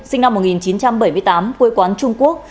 sinh năm một nghìn chín trăm bảy mươi tám quê quán trung quốc